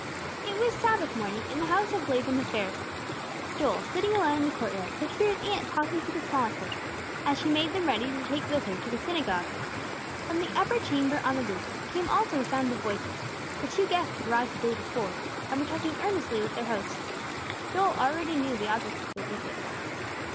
IT was Sabbath morning in the house of Laban the Pharisee. Joel, sitting alone in the court yard, could hear his aunt talking to the smaller children, as she made them ready to take with her to the synagogue. From the upper chamber on the roof, came also a sound of voices, for two guests had arrived the day before, and were talking earnestly with their host. Joel already knew the object of their visit.